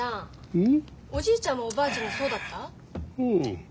うん。